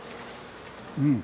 うん。